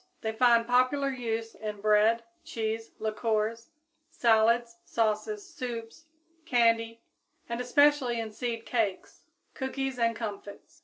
They find popular use in bread, cheese, liquors, salads, sauces, soups, candy, and especially in seed cakes, cookies and comfits.